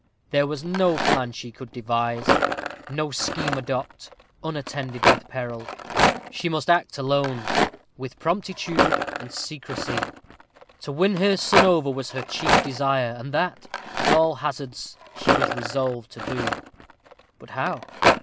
There was no plan she could devise no scheme adopt, unattended with peril. She must act alone with promptitude and secrecy. To win her son over was her chief desire, and that, at all hazards, she was resolved to do. But how?